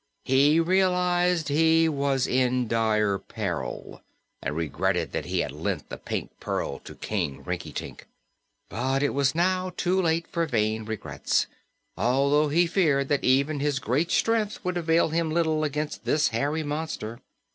He realized he was in dire peril and regretted that he had lent the Pink Pearl to King Rinkitink. But it was now too late for vain regrets, although he feared that even his great strength would avail him little against this hairy monster.